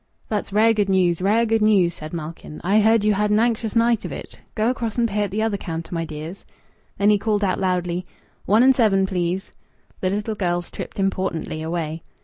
"That's rare good news! Rare good news!" said Malkin. "I heard you had an anxious night of it.... Go across and pay at the other counter, my dears." Then he called out loudly "One and seven, please." The little girls tripped importantly away.